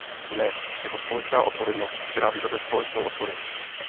Ne, je to společná odpovědnost, která vyžaduje společnou odpověď.